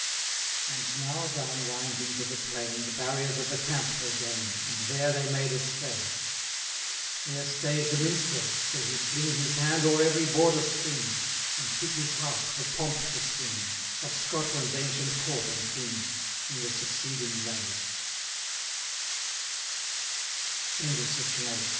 And now, down winding to the plain, The barriers of the camp they gain, 685 And there they made a stay. There stays the Minstrel, till he fling His hand o'er every Border string, And fit his harp the pomp to sing, Of Scotland's ancient Court and King, 695 I